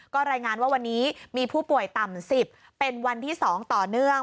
ก็รายงานว่าวันนี้มีผู้ป่วยต่ำ๑๐เป็นวันที่๒ต่อเนื่อง